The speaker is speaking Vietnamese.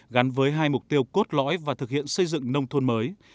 gắn với hai mục tiêu cốt lõi và thực hiện xây dựng nông thôn mới